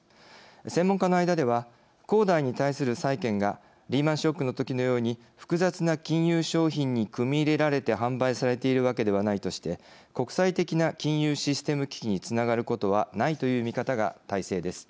専門家の間では恒大に対する債権がリーマンショックのときのように複雑な金融商品に組み入れられて販売されているわけではないとして国際的な金融システム危機につながることはないという見方が大勢です。